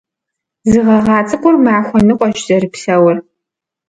Зы гъэгъа цӀыкӀур махуэ ныкъуэщ зэрыпсэур.